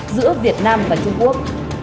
giữa việt nam và trung quốc